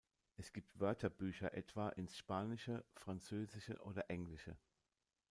Es gibt Wörterbücher etwa ins Spanische, Französische oder Englische.